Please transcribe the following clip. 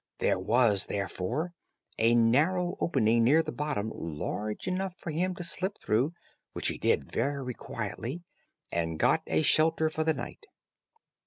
There was therefore a narrow opening near the bottom large enough for him to slip through, which he did very quietly, and got a shelter for the night.